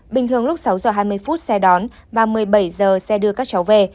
bình thường lúc sáu giờ hai mươi phút xe đón và một mươi bảy giờ xe đưa các cháu về